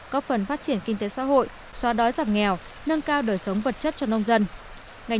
có phần phát triển sản lượng của tỉnh cà mau